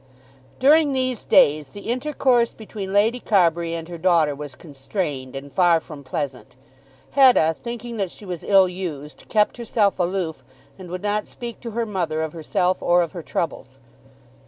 During these days the intercourse between Lady Carbury and her daughter was constrained and far from pleasant. Hetta, thinking that she was ill used, kept herself aloof, and would not speak to her mother of herself or of her troubles.